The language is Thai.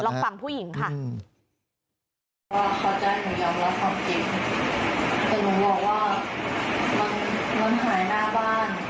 ลองฟังผู้หญิงค่ะ